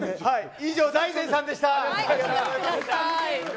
以上、大自然さんでした。